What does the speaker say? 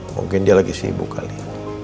mungkin dia lagi sibuk kali